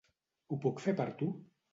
Ho puc fer per tu?